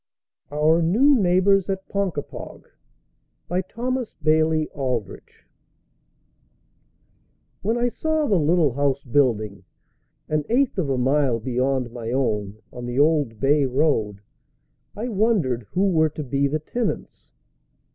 OUR NEW NEIGHBORS AT PONKAPOG BY THOMAS BAILEY ALDRICH When I saw the little house building, an eighth of a mile beyond my own, on the Old Bay Road, I wondered who were to be the tenants.